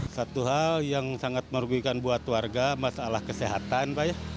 satu hal yang sangat merugikan buat warga masalah kesehatan